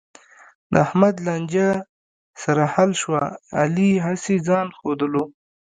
د احمد لانجه سره حل شوه، علي هسې ځآن ښودلو.